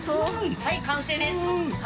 はい完成です。